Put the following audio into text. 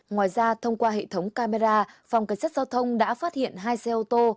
ngoài ra thông qua hệ thống camera phòng cảnh sát giao thông đã phát hiện hai xe ô tô